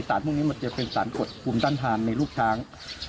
พวกนี้มันจะเป็นสารขดภูมิต้านทานในลูกช้าง